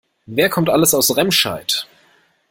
Wer kommt alles aus Remscheid?